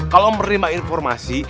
kalau menerima informasi